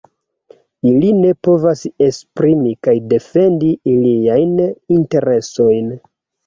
Ili ne povas esprimi kaj defendi iliajn interesojn.